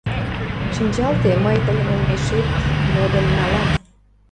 — Шинчалте, мый тыйын олмешет модын налам.